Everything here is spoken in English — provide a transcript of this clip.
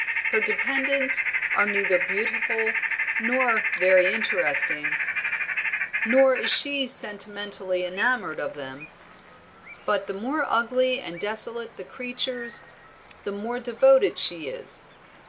Her dependants are neither beautiful nor very interesting, nor is she sentimentally enamored of them; but the more ugly and desolate the creature, the more devoted is she.